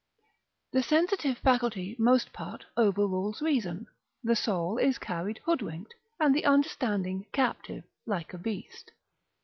The sensitive faculty most part overrules reason, the soul is carried hoodwinked, and the understanding captive like a beast.